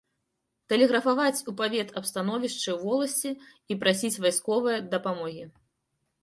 Тэлеграфаваць у павет аб становішчы ў воласці і прасіць вайсковае дапамогі.